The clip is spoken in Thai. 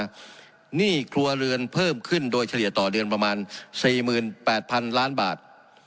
หนี้ครัวเรือนเพิ่มขึ้นโดยเฉลี่ยต่อเดือนประมาณ๔๘๐๐๐ล้านบาท